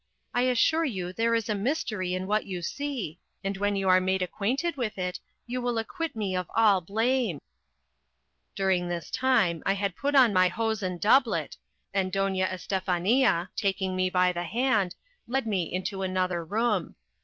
I assure you there is a mystery in what you see; and when you are made acquainted with it you will acquit me of all blame." During this time I had put on my hose and doublet, and Doña Estefania, taking me by the hand, led me into another room.